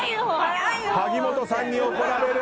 萩本さんに怒られる！